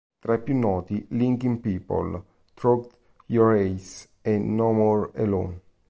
Tra i più noti "Linking People", "Through Your Eyes" e "No More Alone".